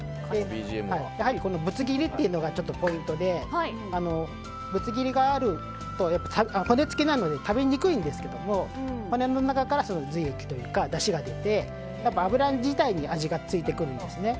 このぶつ切りというのがポイントで骨付きなので食べにくいんですけど骨の中から髄液というかだしが出て脂自体に味がついてくるんですね。